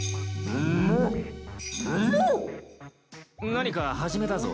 何か始めたぞ。